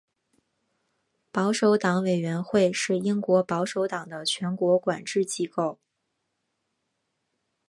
保守党委员会是英国保守党的全国管制机构。